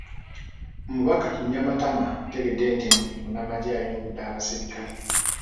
Omubaka Kinyamatama ategedde nti Munnamagye ayungudde abaserikale